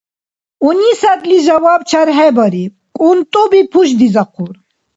Унисатли жаваб чархӀебариб, кӀунтӀуби пушдизахъур.